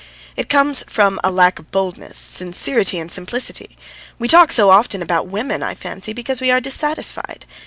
It comes from a lack of boldness, sincerity, and simplicity. We talk so often about women, I fancy, because we are dissatisfied.